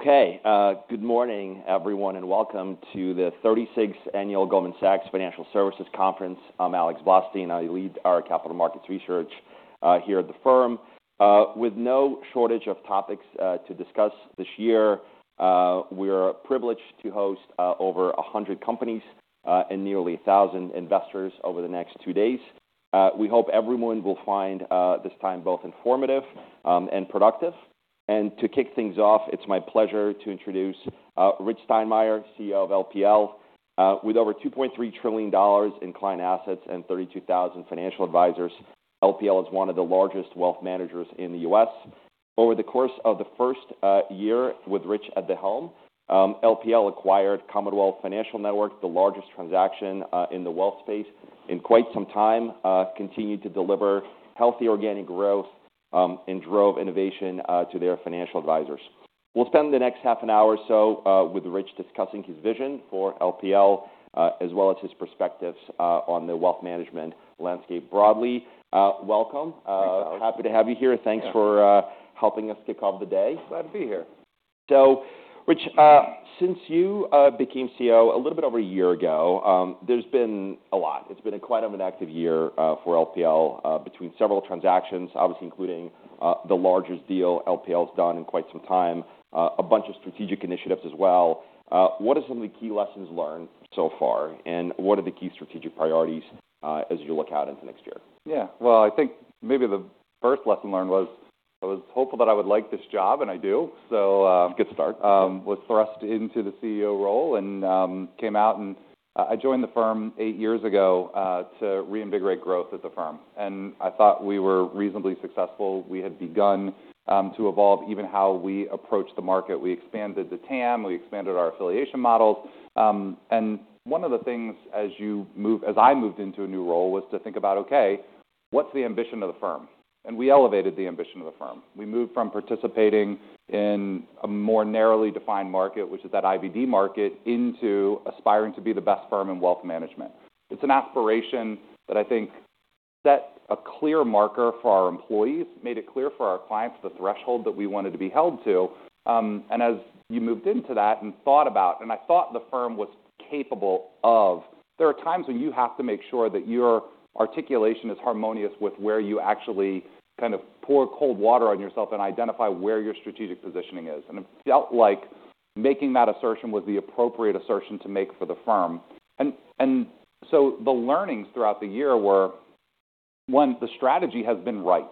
Okay. Good morning, everyone, and welcome to the 36th Annual Goldman Sachs Financial Services Conference. I'm Alex Blostein. I lead our capital markets research here at the firm. With no shortage of topics to discuss this year, we're privileged to host over hundred companies and nearly thousand investors over the next two days. We hope everyone will find this time both informative and productive. And to kick things off, it's my pleasure to introduce Rich Steinmeier, CEO of LPL. With over $2.3 trillion in client assets and 32,000 financial advisors, LPL is one of the largest wealth managers in the U.S. Over the course of the first year with Rich at the helm, LPL acquired Commonwealth Financial Network, the largest transaction in the wealth space in quite some time, continued to deliver healthy organic growth, and drove innovation to their financial advisors. We'll spend the next half an hour so with Rich discussing his vision for LPL, as well as his perspectives on the wealth management landscape broadly. Welcome. Thank you, Alex. Happy to have you here. Thanks for helping us kick off the day. Glad to be here. So, Rich, since you became CEO a little bit over a year ago, there's been a lot. It's been quite an active year for LPL between several transactions, obviously including the largest deal LPL has done in quite some time, a bunch of strategic initiatives as well. What are some of the key lessons learned so far, and what are the key strategic priorities as you look out into next year? Yeah. Well, I think maybe the first lesson learned was I was hopeful that I would like this job, and I do. That's a good start. Was thrust into the CEO role and came out. I joined the firm eight years ago to reinvigorate growth at the firm. I thought we were reasonably successful. We had begun to evolve even how we approach the market. We expanded the TAM. We expanded our affiliation models. One of the things as I moved into a new role was to think about, "Okay, what's the ambition of the firm?" We elevated the ambition of the firm. We moved from participating in a more narrowly defined market, which is that IBD market, into aspiring to be the best firm in wealth management. It's an aspiration that I think set a clear marker for our employees, made it clear for our clients the threshold that we wanted to be held to. And as you moved into that and thought about, and I thought the firm was capable of, there are times when you have to make sure that your articulation is harmonious with where you actually kind of pour cold water on yourself and identify where your strategic positioning is. And it felt like making that assertion was the appropriate assertion to make for the firm. And so the learnings throughout the year were, one, the strategy has been right.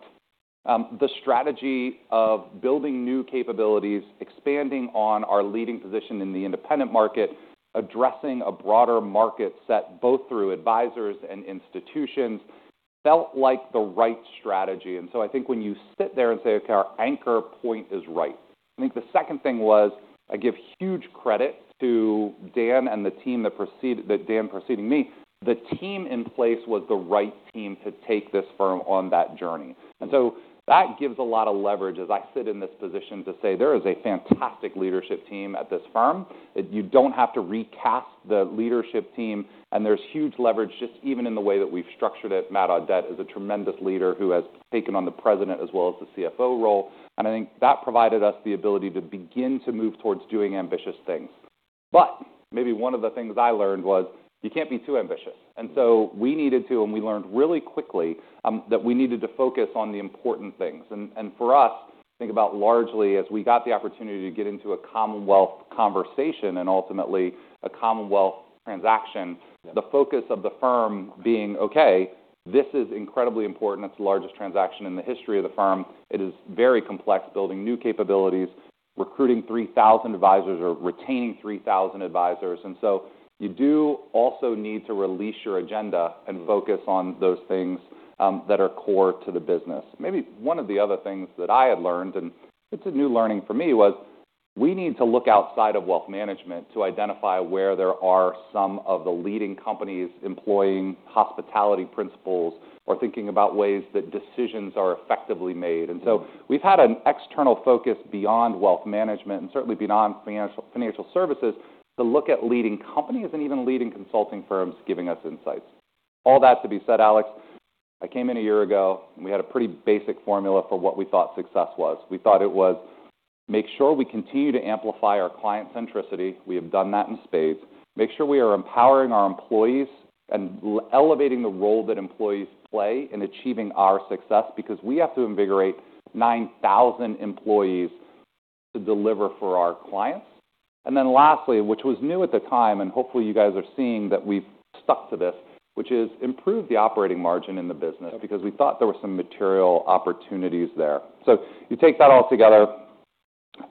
The strategy of building new capabilities, expanding on our leading position in the independent market, addressing a broader market set both through advisors and institutions felt like the right strategy. And so I think when you sit there and say, "Okay, our anchor point is right." I think the second thing was I give huge credit to Dan and the team that Dan preceded me. The team in place was the right team to take this firm on that journey. And so that gives a lot of leverage as I sit in this position to say there is a fantastic leadership team at this firm. You don't have to recast the leadership team. And there's huge leverage just even in the way that we've structured it. Matt Audette is a tremendous leader who has taken on the President as well as the CFO role. And I think that provided us the ability to begin to move towards doing ambitious things. But maybe one of the things I learned was you can't be too ambitious. And so we needed to, and we learned really quickly that we needed to focus on the important things. For us, think about largely as we got the opportunity to get into a Commonwealth conversation and ultimately a Commonwealth transaction, the focus of the firm being, "Okay, this is incredibly important. It's the largest transaction in the history of the firm. It is very complex building new capabilities, recruiting 3,000 advisors or retaining 3,000 advisors." And so you do also need to release your agenda and focus on those things that are core to the business. Maybe one of the other things that I had learned, and it's a new learning for me, was we need to look outside of wealth management to identify where there are some of the leading companies employing hospitality principles or thinking about ways that decisions are effectively made. And so we've had an external focus beyond wealth management and certainly beyond financial services to look at leading companies and even leading consulting firms giving us insights. All that to be said, Alex, I came in a year ago, and we had a pretty basic formula for what we thought success was. We thought it was make sure we continue to amplify our client centricity. We have done that in spades. Make sure we are empowering our employees and elevating the role that employees play in achieving our success because we have to invigorate 9,000 employees to deliver for our clients. And then lastly, which was new at the time, and hopefully you guys are seeing that we've stuck to this, which is improve the operating margin in the business because we thought there were some material opportunities there. So you take that all together,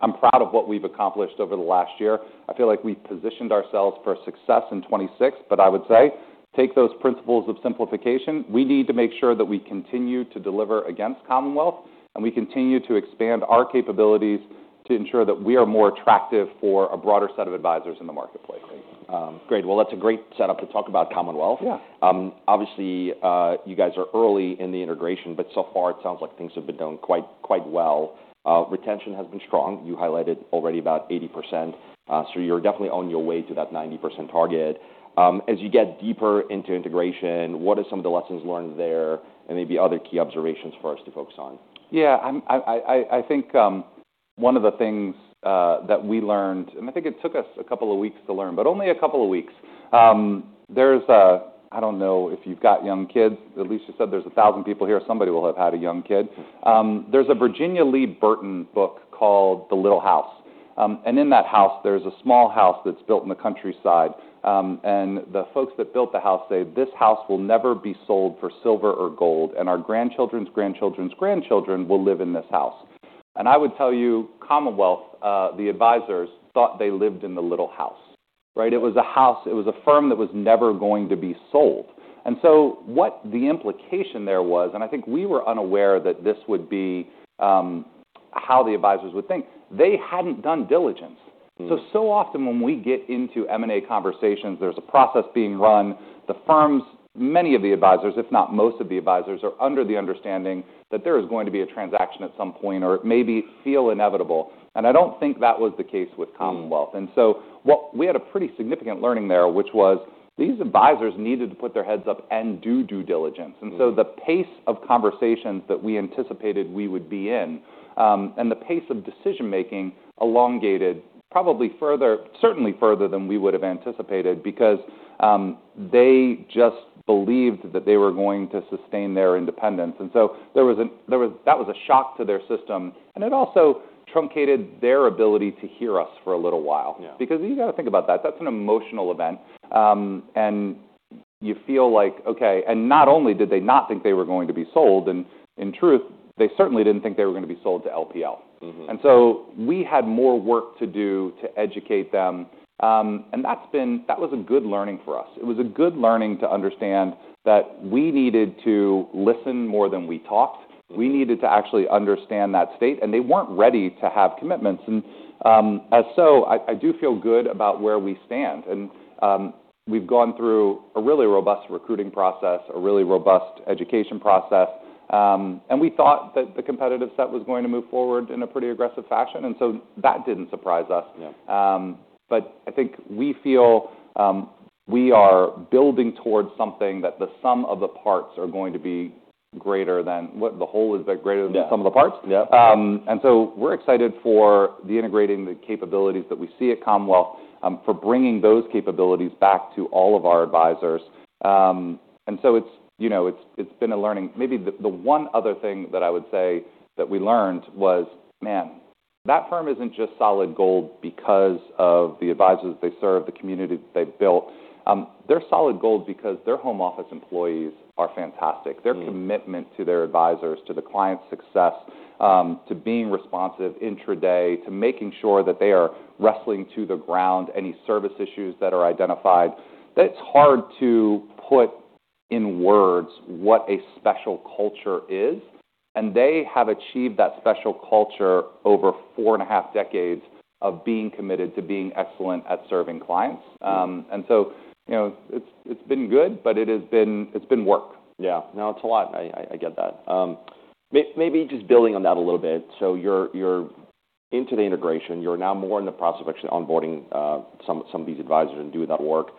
I'm proud of what we've accomplished over the last year. I feel like we've positioned ourselves for success in 2026, but I would say take those principles of simplification. We need to make sure that we continue to deliver against Commonwealth, and we continue to expand our capabilities to ensure that we are more attractive for a broader set of advisors in the marketplace. Great. Well, that's a great setup to talk about Commonwealth. Yeah. Obviously, you guys are early in the integration, but so far it sounds like things have been done quite well. Retention has been strong. You highlighted already about 80%. So you're definitely on your way to that 90% target. As you get deeper into integration, what are some of the lessons learned there and maybe other key observations for us to focus on? Yeah. I think one of the things that we learned, and I think it took us a couple of weeks to learn, but only a couple of weeks. I don't know if you've got young kids. At least you said there's 1,000 people here. Somebody will have had a young kid. There's a Virginia Lee Burton book called The Little House. And in that house, there's a small house that's built in the countryside. And the folks that built the house say, "This house will never be sold for silver or gold, and our grandchildren's grandchildren's grandchildren will live in this house." And I would tell you, Commonwealth, the advisors thought they lived in the little house. Right? It was a house. It was a firm that was never going to be sold. And so what the implication there was, and I think we were unaware that this would be how the advisors would think. They hadn't done diligence. So often when we get into M&A conversations, there's a process being run. The firms, many of the advisors, if not most of the advisors, are under the understanding that there is going to be a transaction at some point or it may be feel inevitable. And I don't think that was the case with Commonwealth. And so we had a pretty significant learning there, which was these advisors needed to put their heads up and do due diligence. And so the pace of conversations that we anticipated we would be in and the pace of decision-making elongated probably certainly further than we would have anticipated because they just believed that they were going to sustain their independence. And so that was a shock to their system. And it also truncated their ability to hear us for a little while because you got to think about that. That's an emotional event. And you feel like, "Okay." And not only did they not think they were going to be sold, and in truth, they certainly didn't think they were going to be sold to LPL. And so we had more work to do to educate them. And that was a good learning for us. It was a good learning to understand that we needed to listen more than we talked. We needed to actually understand that state. And they weren't ready to have commitments. And so I do feel good about where we stand. And we've gone through a really robust recruiting process, a really robust education process. And we .0 thought that the competitive set was going to move forward in a pretty aggressive fashion. And so that didn't surprise us. But I think we feel we are building towards something that the sum of the parts are going to be greater than what the whole is, but greater than the sum of the parts. And so we're excited for the integrating the capabilities that we see at Commonwealth, for bringing those capabilities back to all of our advisors. And so it's been a learning. Maybe the one other thing that I would say that we learned was, "Man, that firm isn't just solid gold because of the advisors they serve, the community that they've built. They're solid gold because their home office employees are fantastic. Their commitment to their advisors, to the client success, to being responsive intraday, to making sure that they are wrestling to the ground any service issues that are identified. It's hard to put in words what a special culture is, and they have achieved that special culture over four and a half decades of being committed to being excellent at serving clients, and so it's been good, but it's been work. Yeah. No, it's a lot. I get that. Maybe just building on that a little bit. So you're into the integration. You're now more in the process of actually onboarding some of these advisors and doing that work.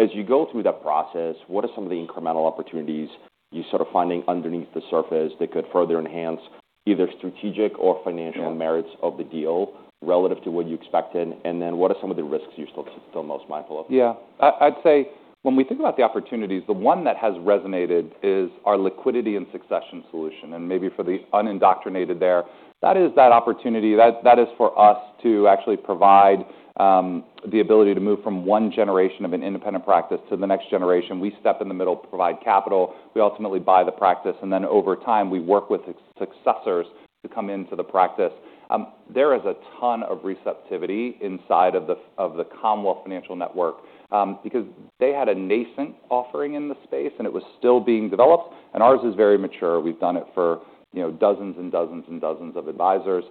As you go through that process, what are some of the incremental opportunities you're sort of finding underneath the surface that could further enhance either strategic or financial merits of the deal relative to what you expected? And then what are some of the risks you're still most mindful of? Yeah. I'd say when we think about the opportunities, the one that has resonated is our liquidity and succession solution. And maybe for the uninitiated there, that is that opportunity. That is for us to actually provide the ability to move from one generation of an independent practice to the next generation. We step in the middle, provide capital. We ultimately buy the practice. And then over time, we work with successors to come into the practice. There is a ton of receptivity inside of the Commonwealth Financial Network because they had a nascent offering in the space, and it was still being developed. And ours is very mature. We've done it for dozens and dozens and dozens of advisors.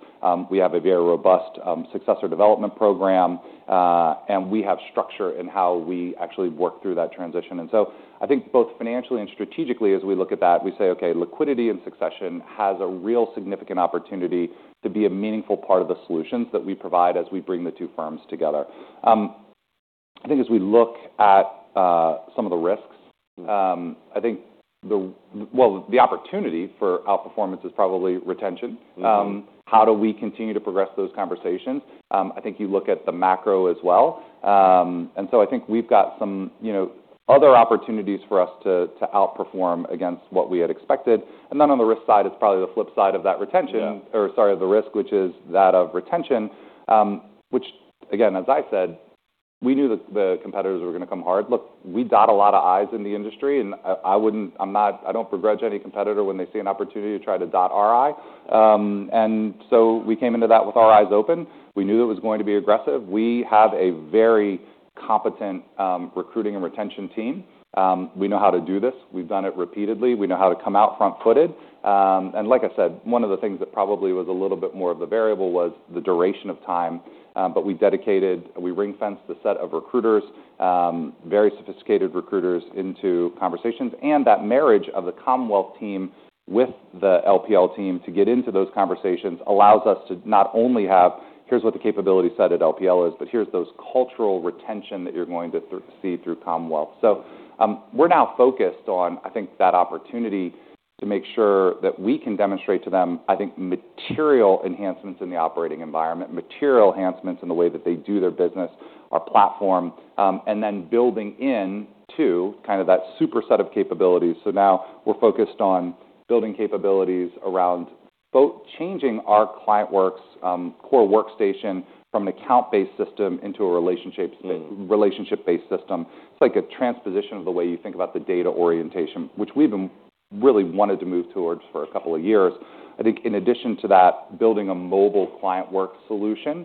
We have a very robust successor development program, and we have structure in how we actually work through that transition. And so I think both financially and strategically, as we look at that, we say, "Okay, liquidity and succession has a real significant opportunity to be a meaningful part of the solutions that we provide as we bring the two firms together." I think as we look at some of the risks, I think, well, the opportunity for outperformance is probably retention. How do we continue to progress those conversations? I think you look at the macro as well. And so I think we've got some other opportunities for us to outperform against what we had expected. And then on the risk side, it's probably the flip side of that retention or sorry, the risk, which is that of retention, which, again, as I said, we knew the competitors were going to come hard. Look, we dot a lot of I's in the industry, and I don't begrudge any competitor when they see an opportunity to try to dot our I. And so we came into that with our eyes open. We knew it was going to be aggressive. We have a very competent recruiting and retention team. We know how to do this. We've done it repeatedly. We know how to come out front-footed. And like I said, one of the things that probably was a little bit more of the variable was the duration of time. But we ring-fenced the set of recruiters, very sophisticated recruiters, into conversations. And that marriage of the Commonwealth team with the LPL team to get into those conversations allows us to not only have, "Here's what the capability set at LPL is," but here's those cultural retention that you're going to see through Commonwealth. So we're now focused on, I think, that opportunity to make sure that we can demonstrate to them, I think, material enhancements in the operating environment, material enhancements in the way that they do their business, our platform, and then building into kind of that super set of capabilities. So now we're focused on building capabilities around both changing our ClientWorks core workstation from an account-based system into a relationship-based system. It's like a transposition of the way you think about the data orientation, which we've really wanted to move towards for a couple of years. I think in addition to that, building a mobile ClientWorks solution.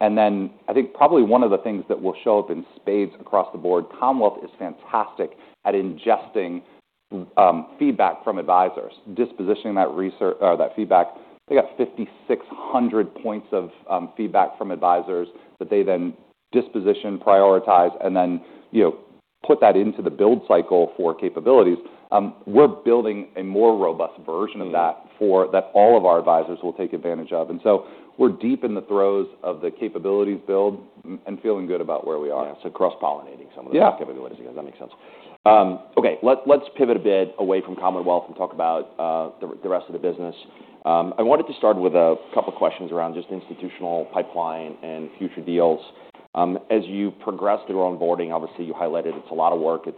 And then I think probably one of the things that will show up in spades across the board, Commonwealth is fantastic at ingesting feedback from advisors, dispositioning that feedback. They got 5,600 points of feedback from advisors that they then disposition, prioritize, and then put that into the build cycle for capabilities. We're building a more robust version of that that all of our advisors will take advantage of, and so we're deep in the throes of the capabilities build and feeling good about where we are. Yeah. So cross-pollinating some of the capabilities. Yeah. That makes sense. Okay. Let's pivot a bit away from Commonwealth and talk about the rest of the business. I wanted to start with a couple of questions around just institutional pipeline and future deals. As you progress through onboarding, obviously you highlighted it's a lot of work. It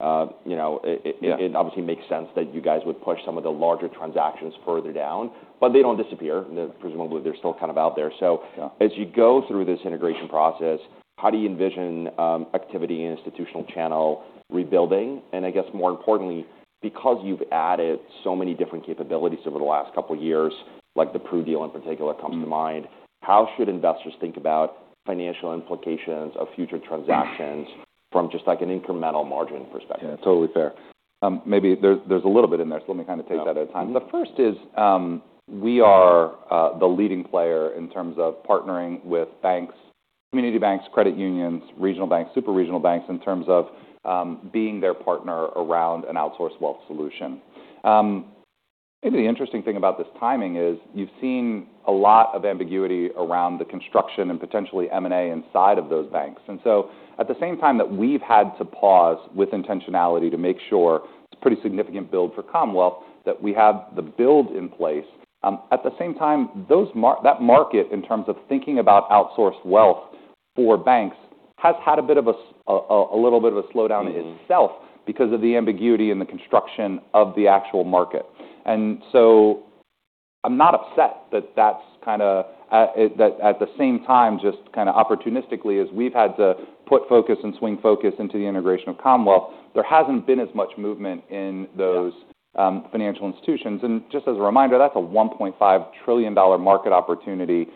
obviously makes sense that you guys would push some of the larger transactions further down, but they don't disappear. Presumably, they're still kind of out there. So as you go through this integration process, how do you envision activity in institutional channel rebuilding? And I guess more importantly, because you've added so many different capabilities over the last couple of years, like the Pru deal in particular comes to mind, how should investors think about financial implications of future transactions from just an incremental margin perspective? Yeah. Totally fair. Maybe there's a little bit in there, so let me kind of take that at a time. The first is we are the leading player in terms of partnering with banks, community banks, credit unions, regional banks, super regional banks in terms of being their partner around an outsource wealth solution. Maybe the interesting thing about this timing is you've seen a lot of ambiguity around the construction and potentially M&A inside of those banks. And so at the same time that we've had to pause with intentionality to make sure it's a pretty significant build for Commonwealth, that we have the build in place. At the same time, that market in terms of thinking about outsource wealth for banks has had a bit of a slowdown itself because of the ambiguity in the construction of the actual market. And so, I'm not upset that that's kind of at the same time, just kind of opportunistically, as we've had to put focus and swing focus into the integration of Commonwealth. There hasn't been as much movement in those financial institutions. And just as a reminder, that's a $1.5 trillion market opportunity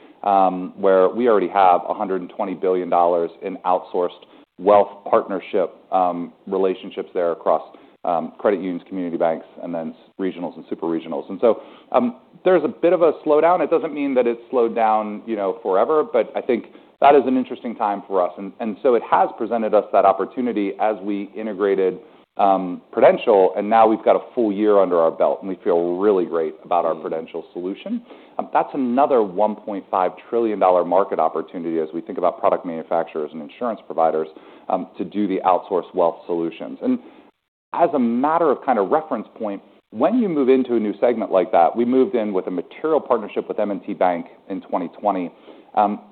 where we already have $120 billion in outsourced wealth partnership relationships there across credit unions, community banks, and then regionals and super regionals. And so there's a bit of a slowdown. It doesn't mean that it's slowed down forever, but I think that is an interesting time for us. And so it has presented us that opportunity as we integrated Prudential, and now we've got a full year under our belt, and we feel really great about our Prudential solution. That's another $1.5 trillion market opportunity as we think about product manufacturers and insurance providers to do the outsource wealth solutions. And as a matter of kind of reference point, when you move into a new segment like that, we moved in with a material partnership with M&T Bank in 2020.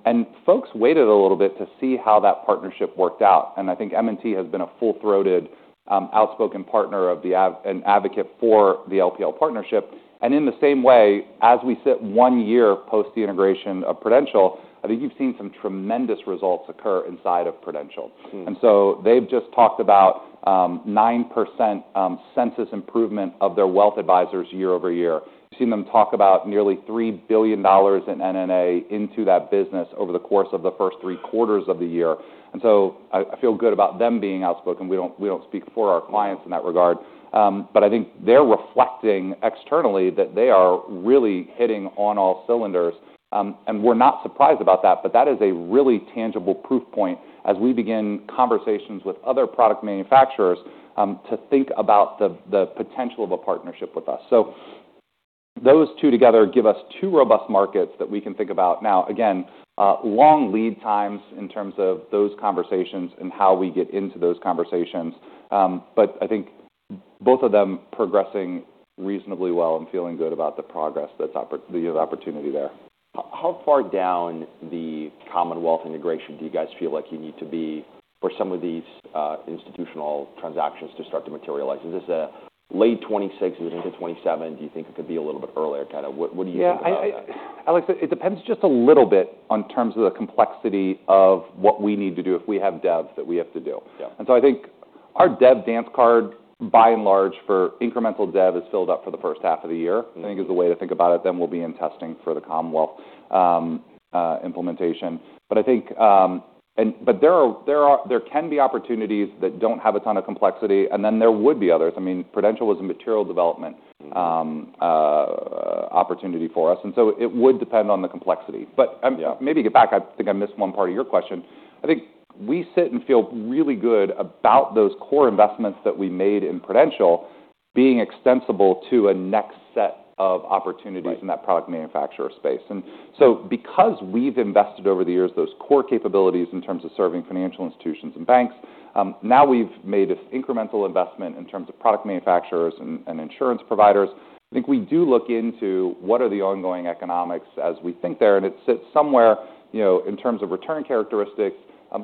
And folks waited a little bit to see how that partnership worked out. And I think M&T has been a full-throated, outspoken partner and advocate for the LPL partnership. And in the same way, as we sit one year post the integration of Prudential, I think you've seen some tremendous results occur inside of Prudential. And so they've just talked about 9% census improvement of their wealth advisors year over year. We've seen them talk about nearly $3 billion in M&A into that business over the course of the first three quarters of the year. And so, I feel good about them being outspoken. We don't speak for our clients in that regard. But I think they're reflecting externally that they are really hitting on all cylinders. And we're not surprised about that, but that is a really tangible proof point as we begin conversations with other product manufacturers to think about the potential of a partnership with us. So those two together give us two robust markets that we can think about now. Again, long lead times in terms of those conversations and how we get into those conversations. But I think both of them progressing reasonably well and feeling good about the progress. That's the opportunity there. How far down the Commonwealth integration do you guys feel like you need to be for some of these institutional transactions to start to materialize? Is this late 2026? Is it into 2027? Do you think it could be a little bit earlier? Kind of what do you think about that? Yeah. Alex, it depends just a little bit in terms of the complexity of what we need to do if we have devs that we have to do. And so I think our dev dance card, by and large, for incremental dev is filled up for the first half of the year. I think is the way to think about it. Then we'll be in testing for the Commonwealth implementation. But I think there can be opportunities that don't have a ton of complexity. And then there would be others. I mean, Prudential was a material development opportunity for us. And so it would depend on the complexity. But maybe get back. I think I missed one part of your question. I think we sit and feel really good about those core investments that we made in Prudential being extensible to a next set of opportunities in that product manufacturer space. And so because we've invested over the years those core capabilities in terms of serving financial institutions and banks, now we've made an incremental investment in terms of product manufacturers and insurance providers. I think we do look into what are the ongoing economics as we think there. And it sits somewhere in terms of return characteristics.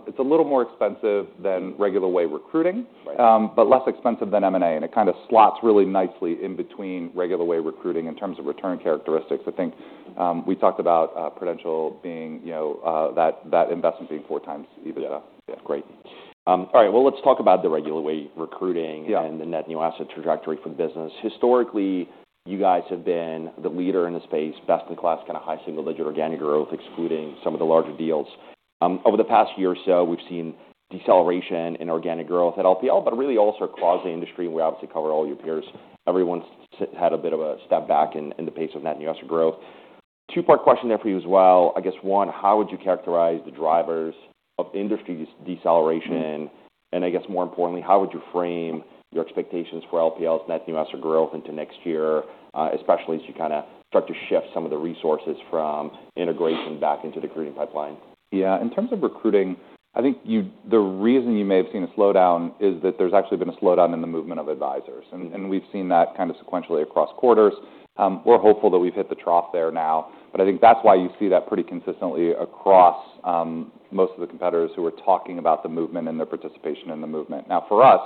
It's a little more expensive than regular way recruiting, but less expensive than M&A. And it kind of slots really nicely in between regular way recruiting in terms of return characteristics. I think we talked about Prudential being that investment being four times EBITDA. Yeah. Great. All right. Well, let's talk about the regular way recruiting and the net new asset trajectory for the business. Historically, you guys have been the leader in the space, best in class, kind of high single-digit organic growth, excluding some of the larger deals. Over the past year or so, we've seen deceleration in organic growth at LPL, but really also across the industry and we obviously cover all your peers. Everyone's had a bit of a step back in the pace of net new asset growth. Two-part question there for you as well. I guess one, how would you characterize the drivers of industry deceleration and I guess more importantly, how would you frame your expectations for LPL's net new asset growth into next year, especially as you kind of start to shift some of the resources from integration back into the recruiting pipeline? Yeah. In terms of recruiting, I think the reason you may have seen a slowdown is that there's actually been a slowdown in the movement of advisors. We've seen that kind of sequentially across quarters. We're hopeful that we've hit the trough there now, but I think that's why you see that pretty consistently across most of the competitors who are talking about the movement and their participation in the movement. Now, for us,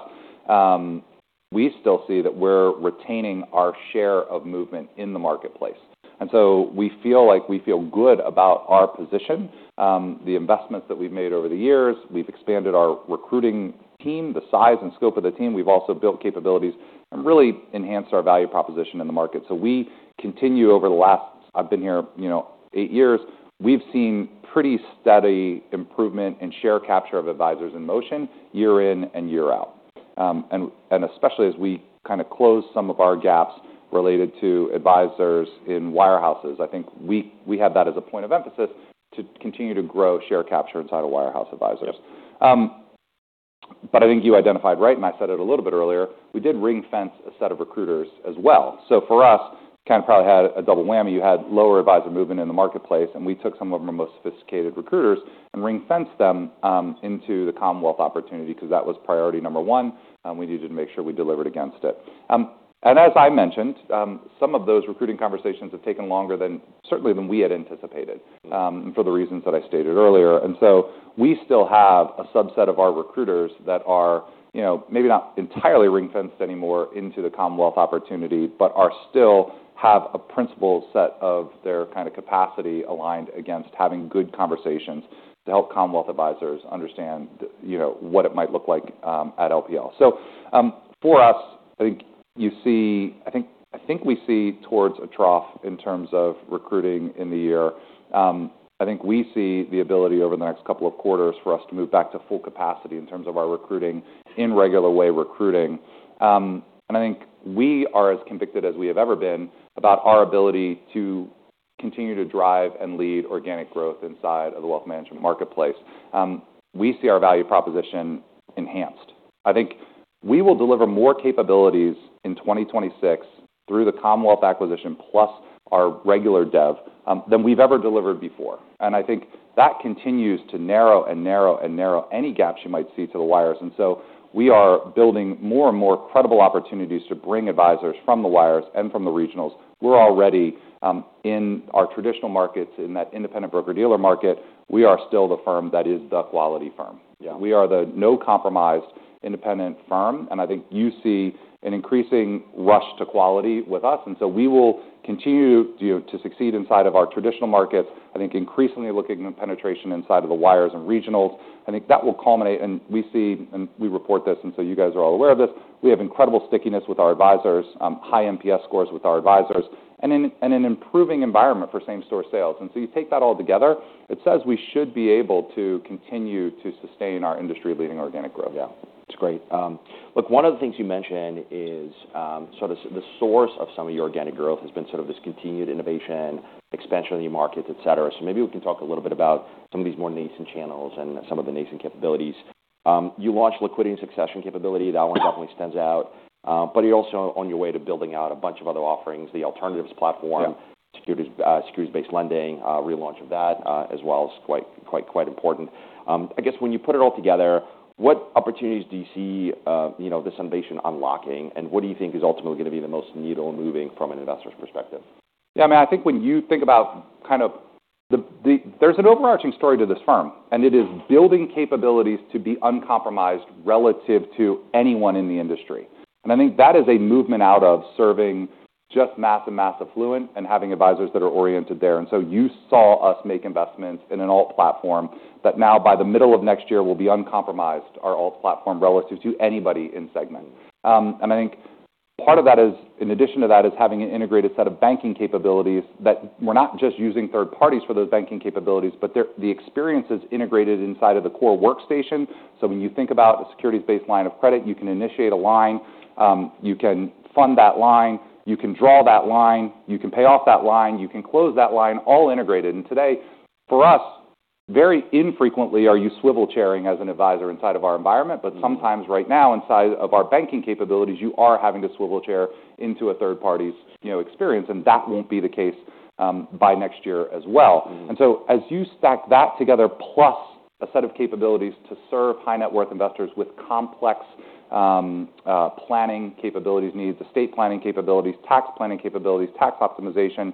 we still see that we're retaining our share of movement in the marketplace, and so we feel like we feel good about our position, the investments that we've made over the years. We've expanded our recruiting team, the size and scope of the team. We've also built capabilities and really enhanced our value proposition in the market, so we continue over the last I've been here eight years. We've seen pretty steady improvement in share capture of advisors in motion year in and year out. And especially as we kind of close some of our gaps related to advisors in wirehouses, I think we have that as a point of emphasis to continue to grow share capture inside of wirehouse advisors. But I think you identified right, and I said it a little bit earlier. We did ring-fence a set of recruiters as well. So for us, kind of probably had a double whammy. You had lower advisor movement in the marketplace, and we took some of our most sophisticated recruiters and ring-fenced them into the Commonwealth opportunity because that was priority number one, and we needed to make sure we delivered against it. As I mentioned, some of those recruiting conversations have taken longer than certainly we had anticipated for the reasons that I stated earlier. And so we still have a subset of our recruiters that are maybe not entirely ring-fenced anymore into the Commonwealth opportunity, but still have a principal set of their kind of capacity aligned against having good conversations to help Commonwealth advisors understand what it might look like at LPL. So for us, I think we see towards a trough in terms of recruiting in the year. I think we see the ability over the next couple of quarters for us to move back to full capacity in terms of our recruiting in regular way recruiting. And I think we are as convicted as we have ever been about our ability to continue to drive and lead organic growth inside of the wealth management marketplace. We see our value proposition enhanced. I think we will deliver more capabilities in 2026 through the Commonwealth acquisition plus our regular dev than we've ever delivered before. And I think that continues to narrow and narrow and narrow any gaps you might see to the wires. And so we are building more and more credible opportunities to bring advisors from the wires and from the regionals. We're already in our traditional markets in that independent broker-dealer market. We are still the firm that is the quality firm. We are the no-compromise independent firm. And I think you see an increasing rush to quality with us. And so we will continue to succeed inside of our traditional markets. I think increasingly looking at penetration inside of the wires and regionals. I think that will culminate, and we see and we report this, and so you guys are all aware of this. We have incredible stickiness with our advisors, high NPS scores with our advisors, and an improving environment for same-store sales, and so you take that all together, it says we should be able to continue to sustain our industry-leading organic growth. Yeah. That's great. Look, one of the things you mentioned is sort of the source of some of your organic growth has been sort of this continued innovation, expansion of the markets, etc. So maybe we can talk a little bit about some of these more nascent channels and some of the nascent capabilities. You launched liquidity and succession capability. That one definitely stands out. But you're also on your way to building out a bunch of other offerings. The alternatives platform, securities-based lending, relaunch of that as well is quite important. I guess when you put it all together, what opportunities do you see this innovation unlocking? And what do you think is ultimately going to be the most needle-moving from an investor's perspective? Yeah. I mean, I think when you think about kind of there's an overarching story to this firm, and it is building capabilities to be uncompromised relative to anyone in the industry. And I think that is a movement out of serving just mass and mass affluent and having advisors that are oriented there. And so you saw us make investments in an alt platform that now by the middle of next year will be uncompromised, our alt platform relative to anybody in segment. And I think part of that is, in addition to that, is having an integrated set of banking capabilities that we're not just using third parties for those banking capabilities, but the experience is integrated inside of the core workstation. So when you think about a securities-based line of credit, you can initiate a line, you can fund that line, you can draw that line, you can pay off that line, you can close that line, all integrated. And today, for us, very infrequently are you swivel chairing as an advisor inside of our environment. But sometimes right now, inside of our banking capabilities, you are having to swivel chair into a third party's experience. And that won't be the case by next year as well. And so as you stack that together plus a set of capabilities to serve high-net-worth investors with complex planning capabilities needs, estate planning capabilities, tax planning capabilities, tax optimization,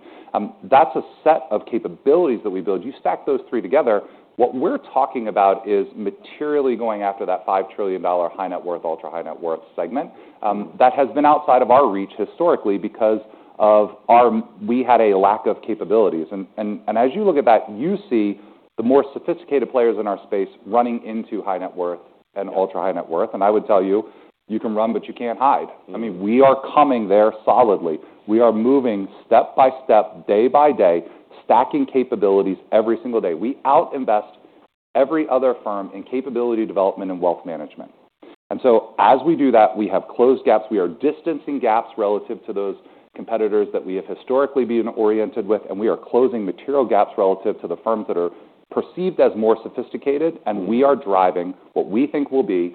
that's a set of capabilities that we build. You stack those three together, what we're talking about is materially going after that $5 trillion high-net-worth, ultra-high-net-worth segment that has been outside of our reach historically because we had a lack of capabilities. And as you look at that, you see the more sophisticated players in our space running into high-net-worth and ultra-high-net-worth. And I would tell you, you can run, but you can't hide. I mean, we are coming there solidly. We are moving step by step, day by day, stacking capabilities every single day. We out-invest every other firm in capability development and wealth management. And so as we do that, we have closed gaps. We are distancing gaps relative to those competitors that we have historically been oriented with. And we are closing material gaps relative to the firms that are perceived as more sophisticated. We are driving what we think will be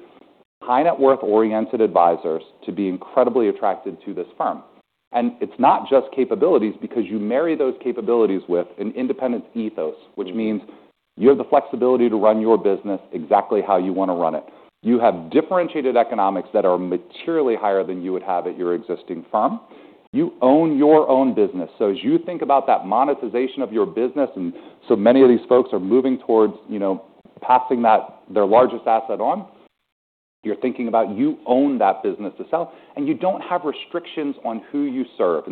high-net-worth oriented advisors to be incredibly attracted to this firm. It's not just capabilities because you marry those capabilities with an independent ethos, which means you have the flexibility to run your business exactly how you want to run it. You have differentiated economics that are materially higher than you would have at your existing firm. You own your own business. As you think about that monetization of your business, and so many of these folks are moving towards passing their largest asset on, you're thinking about you own that business to sell. You don't have restrictions on who you serve.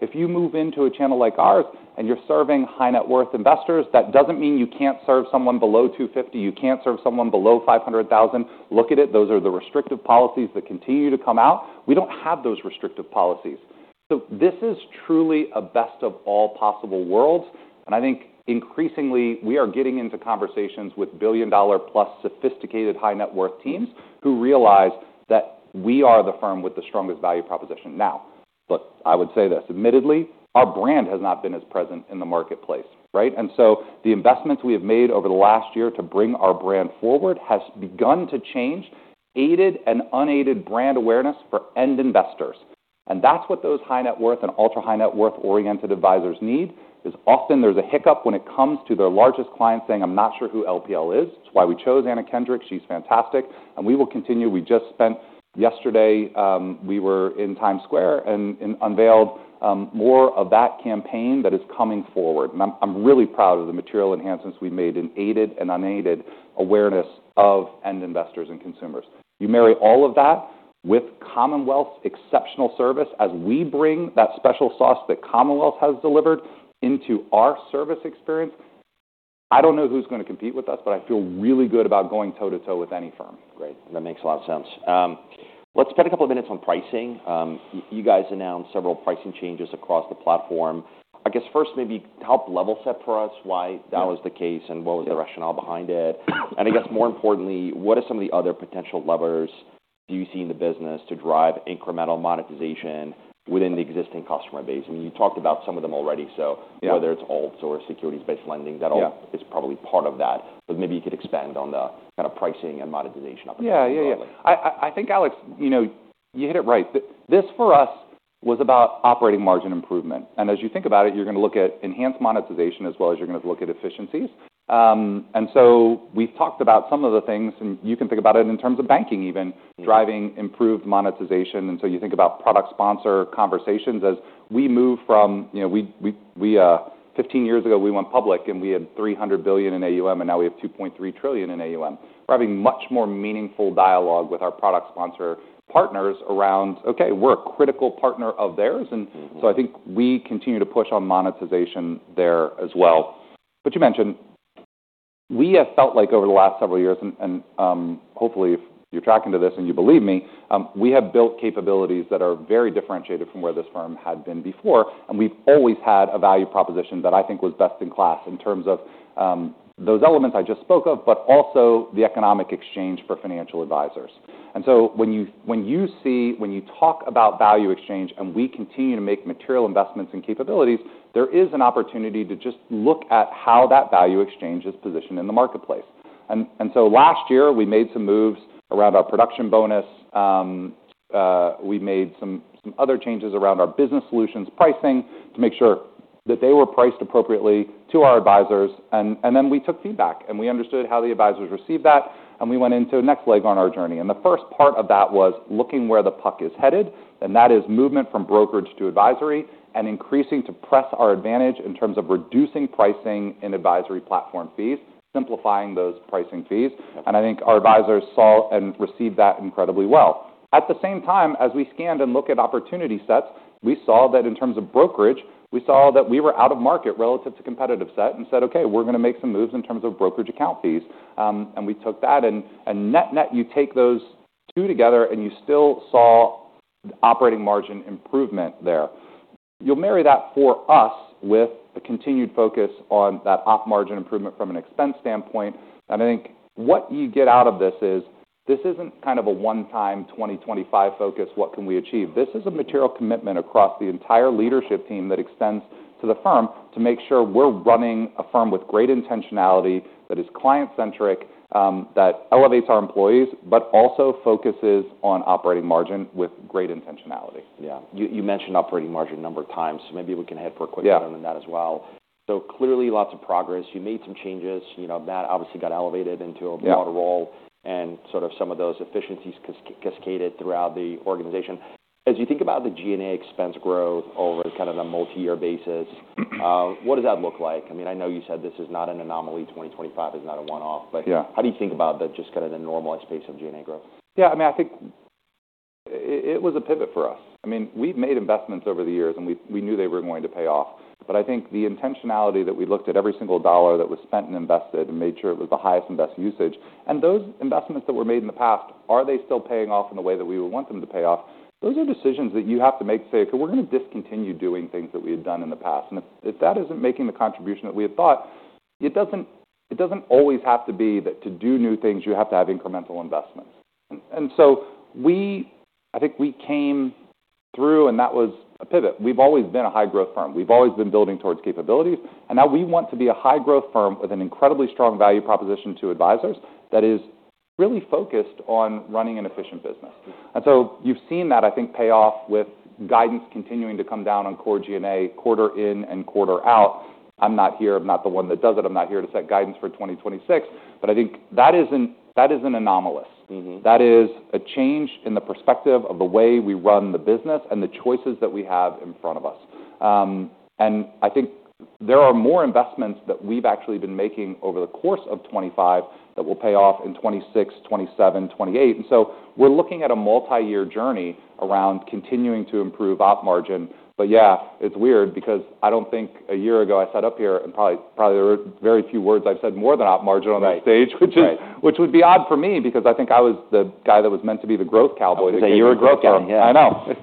If you move into a channel like ours and you're serving high-net-worth investors, that doesn't mean you can't serve someone below $250,000, you can't serve someone below $500,000. Look at it. Those are the restrictive policies that continue to come out. We don't have those restrictive policies, so this is truly a best of all possible worlds, and I think increasingly we are getting into conversations with billion-dollar plus sophisticated high-net-worth teams who realize that we are the firm with the strongest value proposition now, but I would say this. Admittedly, our brand has not been as present in the marketplace, right, and so the investments we have made over the last year to bring our brand forward has begun to change aided and unaided brand awareness for end investors, and that's what those high-net-worth and ultra-high-net-worth oriented advisors need is often there's a hiccup when it comes to their largest clients saying, "I'm not sure who LPL is. It's why we chose Anna Kendrick. She's fantastic," and we will continue. We just spent yesterday. We were in Times Square and unveiled more of that campaign that is coming forward. And I'm really proud of the material enhancements we've made in aided and unaided awareness of end investors and consumers. You marry all of that with Commonwealth's exceptional service as we bring that special sauce that Commonwealth has delivered into our service experience. I don't know who's going to compete with us, but I feel really good about going toe-to-toe with any firm. Great. That makes a lot of sense. Let's spend a couple of minutes on pricing. You guys announced several pricing changes across the platform. I guess first, maybe help level set for us why that was the case and what was the rationale behind it. And I guess more importantly, what are some of the other potential levers do you see in the business to drive incremental monetization within the existing customer base? I mean, you talked about some of them already. So whether it's alt or securities-based lending, that all is probably part of that. But maybe you could expand on the kind of pricing and monetization opportunities. Yeah. Yeah. Yeah. I think, Alex, you hit it right. This for us was about operating margin improvement. And as you think about it, you're going to look at enhanced monetization as well as you're going to look at efficiencies. And so we've talked about some of the things, and you can think about it in terms of banking even driving improved monetization. And so you think about product sponsor conversations as we move from 15 years ago, we went public and we had $300 billion in AUM, and now we have $2.3 trillion in AUM. We're having much more meaningful dialogue with our product sponsor partners around, "Okay, we're a critical partner of theirs." And so I think we continue to push on monetization there as well. But you mentioned we have felt like over the last several years, and hopefully you're tracking to this and you believe me, we have built capabilities that are very differentiated from where this firm had been before. And we've always had a value proposition that I think was best in class in terms of those elements I just spoke of, but also the economic exchange for financial advisors. And so when you talk about value exchange and we continue to make material investments in capabilities, there is an opportunity to just look at how that value exchange is positioned in the marketplace. And so last year, we made some moves around our production bonus. We made some other changes around our business solutions pricing to make sure that they were priced appropriately to our advisors. And then we took feedback, and we understood how the advisors received that, and we went into a next leg on our journey. And the first part of that was looking where the puck is headed, and that is movement from brokerage to advisory and increasing to press our advantage in terms of reducing pricing and advisory platform fees, simplifying those pricing fees. And I think our advisors saw and received that incredibly well. At the same time, as we scanned and looked at opportunity sets, we saw that in terms of brokerage, we saw that we were out of market relative to competitive set and said, "Okay, we're going to make some moves in terms of brokerage account fees." And we took that, and net-net you take those two together and you still saw operating margin improvement there. You'll marry that for us with a continued focus on that off-margin improvement from an expense standpoint. And I think what you get out of this is this isn't kind of a one-time 2025 focus, what can we achieve. This is a material commitment across the entire leadership team that extends to the firm to make sure we're running a firm with great intentionality that is client-centric, that elevates our employees, but also focuses on operating margin with great intentionality. Yeah. You mentioned operating margin a number of times, so maybe we can head for a quick round on that as well. So clearly lots of progress. You made some changes. Matt obviously got elevated into a broader role and sort of some of those efficiencies cascaded throughout the organization. As you think about the G&A expense growth over kind of a multi-year basis, what does that look like? I mean, I know you said this is not an anomaly. 2025 is not a one-off. But how do you think about just kind of the normalized pace of G&A growth? Yeah. I mean, I think it was a pivot for us. I mean, we've made investments over the years, and we knew they were going to pay off. But I think the intentionality that we looked at every single dollar that was spent and invested and made sure it was the highest and best usage, and those investments that were made in the past, are they still paying off in the way that we would want them to pay off? Those are decisions that you have to make to say, "Okay, we're going to discontinue doing things that we had done in the past," and if that isn't making the contribution that we had thought, it doesn't always have to be that to do new things, you have to have incremental investments, and so I think we came through, and that was a pivot. We've always been a high-growth firm. We've always been building towards capabilities. And now we want to be a high-growth firm with an incredibly strong value proposition to advisors that is really focused on running an efficient business. And so you've seen that, I think, pay off with guidance continuing to come down on core G&A quarter in and quarter out. I'm not here. I'm not the one that does it. I'm not here to set guidance for 2026. But I think that is an anomalous. That is a change in the perspective of the way we run the business and the choices that we have in front of us. And I think there are more investments that we've actually been making over the course of 2025 that will pay off in 2026, 2027, 2028. And so we're looking at a multi-year journey around continuing to improve op margin. But yeah, it's weird because I don't think a year ago I sat up here, and probably there are very few words I've said more than operating margin on that stage, which would be odd for me because I think I was the guy that was meant to be the growth cowboy. It was a year ago. I know.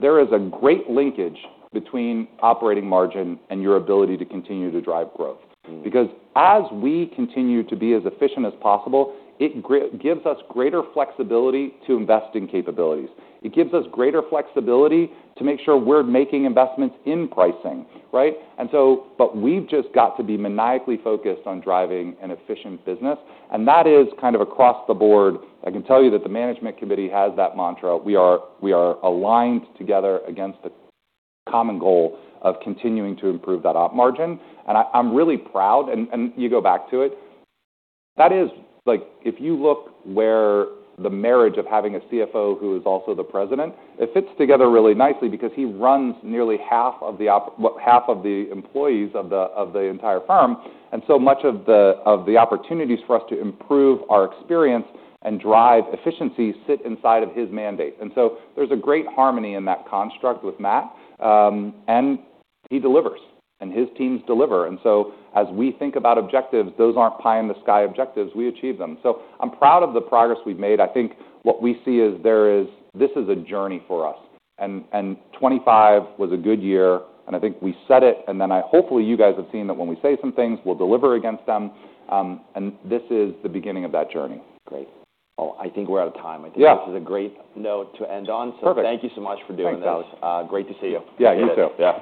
There is a great linkage between operating margin and your ability to continue to drive growth. Because as we continue to be as efficient as possible, it gives us greater flexibility to invest in capabilities. It gives us greater flexibility to make sure we're making investments in pricing, right, and so but we've just got to be maniacally focused on driving an efficient business, and that is kind of across the board. I can tell you that the management committee has that mantra. We are aligned together against the common goal of continuing to improve that operating margin, and I'm really proud, and you go back to it. That is, if you look where the marriage of having a CFO who is also the president, it fits together really nicely because he runs nearly half of the employees of the entire firm. And so much of the opportunities for us to improve our experience and drive efficiency sit inside of his mandate. And so there's a great harmony in that construct with Matt. And he delivers, and his teams deliver. And so as we think about objectives, those aren't pie in the sky objectives. We achieve them. So I'm proud of the progress we've made. I think what we see is this is a journey for us. And 2025 was a good year. And I think we set it. And then hopefully you guys have seen that when we say some things, we'll deliver against them. And this is the beginning of that journey. Great. Well, I think we're out of time. I think this is a great note to end on. So thank you so much for doing this. Thanks, Alex. Great to see you. Yeah. You too. Yeah.